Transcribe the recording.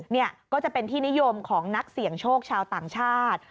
นี่ก็จะเป็นที่นิยมของนักเสี่ยงโชคชาวต่างชาติ